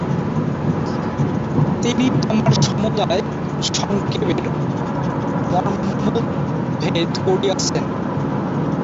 তিনিই তোমার সমুদায় সঙ্কেভের মর্মোদ্ভেদ করিয়াছেন।